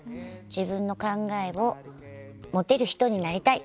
自分の考えを持てる人になりたい。